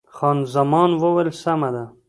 خان زمان وویل، سمه ده.